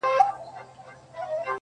چوکیدار د خوب ګولۍ وخوري ویدۀ شي